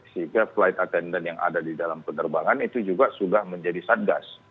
sehingga flight attendant yang ada di dalam penerbangan itu juga sudah menjadi satgas